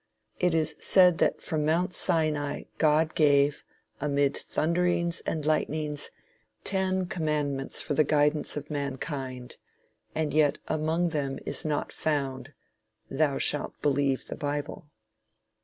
It is said that from Mount Sinai God gave, amid thunderings and lightnings, ten commandments for the guidance of mankind; and yet among them is not found "Thou shalt believe the Bible."